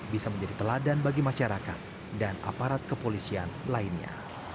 bisa menjadi teladan bagi masyarakat dan aparat kepolisian lainnya